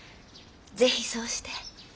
是非そうして。